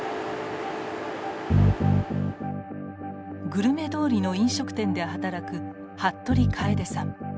グルメ通りの飲食店で働く服部楓さん。